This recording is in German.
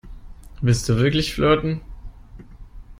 Willst du wirklich flirten?